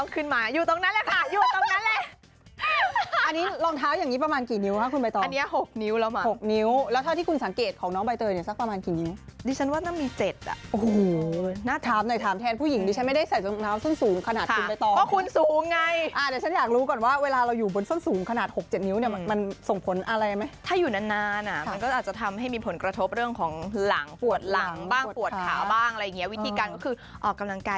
ก็จะดูแบบอินเตอร์ขึ้นมาเหมือนกันนะเออ